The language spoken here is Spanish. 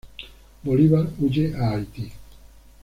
Bolívar huye a Haiti.